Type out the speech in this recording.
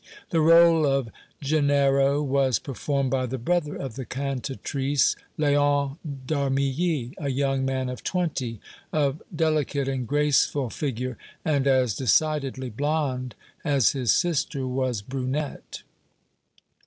The rôle of Gennaro was performed by the brother of the cantatrice, Léon d'Armilly, a young man of twenty, of delicate and graceful figure, and as decidedly blonde as his sister was brunette.